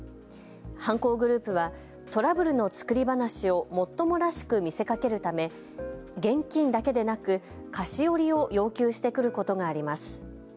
犯行グループはトラブルの作り話をもっともらしく見せかけるため現金だけでなく菓子折を要求してくることがあります。